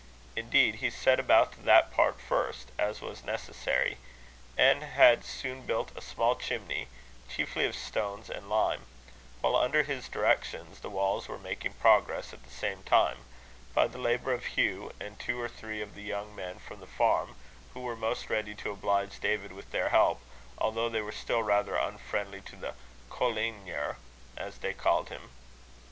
Indeed, he set about that part first, as was necessary; and had soon built a small chimney, chiefly of stones and lime; while, under his directions, the walls were making progress at the same time, by the labour of Hugh and two or three of the young men from the farm, who were most ready to oblige David with their help, although they were still rather unfriendly to the colliginer, as they called him.